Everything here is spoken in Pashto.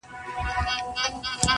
اوس بيا د ښار په ماځيگر كي جادو,